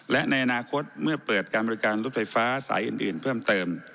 และในอนาคตเมื่อเปิดการบริการรถไฟฟ้าสายอื่นเพิ่มเติม